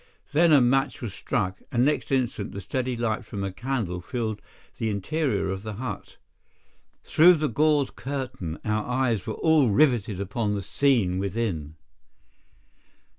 Then a match was struck, and next instant the steady light from a candle filled the interior of the hut. Through the gauze curtain our eyes were all riveted upon the scene within.